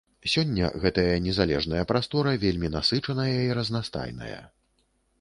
Сёння гэтая незалежная прастора вельмі насычаная і разнастайная.